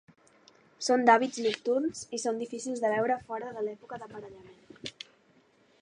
Són d'hàbits nocturns i són difícils de veure fora de l'època d'aparellament.